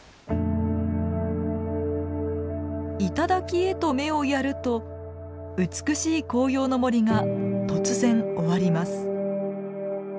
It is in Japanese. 頂へと目をやると美しい紅葉の森が突然終わります。